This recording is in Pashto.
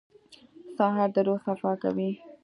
سهار د روح صفا کوي.